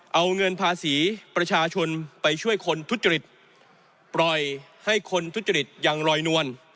เอาเงินภาษีประชาชนไปช่วยคนทุจริตปล่อยให้คนทุจริตยังลอยนวล